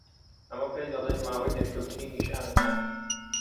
ئەمە پێی دەڵێن ماوەی دەرکەوتنی نیشانەکان.